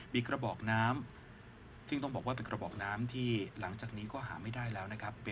มีกระบอกน้ำซึ่งต้องบอกว่าเป็นกระบอกน้ำที่หลังจากนี้ก็หาไม่ได้แล้วนะครับ